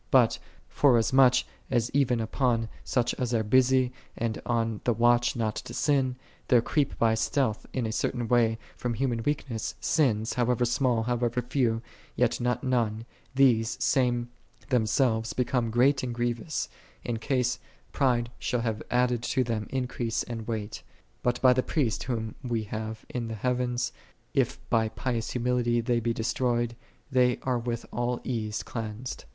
But, forasmuch as even upon such as are busy and on the watch not to sin, there creep by stealth, in a certain way, from human weakness, sins, however small, however few, yet not none; these same themselves become great and grievous, in case pride shall have added to them increase and weight: but by the Priest, Whom we have in the heavens, if by pious humility they be destroyed, they are with all ease cleansed.